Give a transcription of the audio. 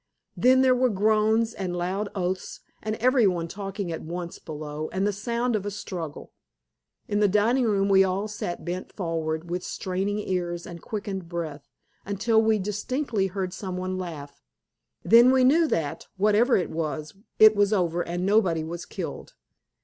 Then there were groans and loud oaths, and everybody talking at once, below, and the sound of a struggle. In the dining room we all sat bent forward, with straining ears and quickened breath, until we distinctly heard someone laugh. Then we knew that, whatever it was, it was over, and nobody was killed.